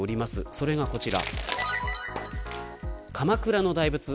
それがこちら。